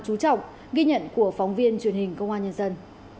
chú trọng ghi nhận của phóng viên truyền hình công an nhân dân